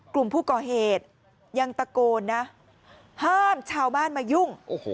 กลุ่มผู้ก่อเหตุยังตะโกนนะห้ามชาวบ้านมายุ่ง